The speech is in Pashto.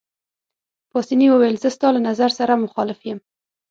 پاسیني وویل: زه ستا له نظر سره مخالف یم.